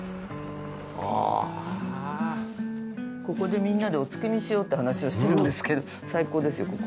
ここでみんなでお月見しようって話をしてるんですけど最高ですよ